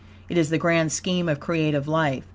It is the grand scheme of creative life.